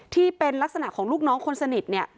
ที่เป็นลักษณะของลูกน้องคนสนิทเนี่ย